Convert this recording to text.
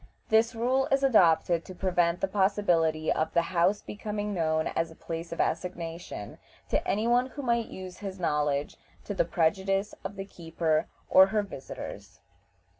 This rule is adopted to prevent the possibility of the house becoming known as a place of assignation to any one who might use his knowledge to the prejudice of the keeper or her visitors.